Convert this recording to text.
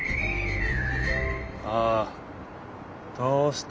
ああどうした？